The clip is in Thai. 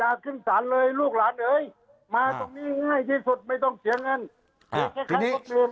อย่าขึ้นศาลเลยลูกหลานไอไปมาตรงนี้ง่ายที่สุดไม่ต้องเสียเงิน